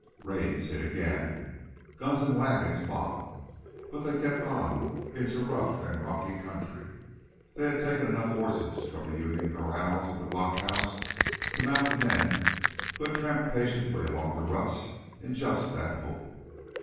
Rains hit again; guns and wagons bogged. But they kept on into rough and rocky country. They had taken enough horses from the Union corrals at the blockhouses to mount the men who had tramped patiently along the ruts in just that hope.